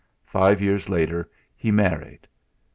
Five years later he married.